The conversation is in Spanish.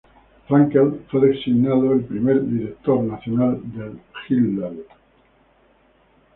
Frankel fue designado al primer director nacional del Hillel.